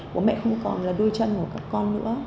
bố mẹ không còn là đôi chân của các con nữa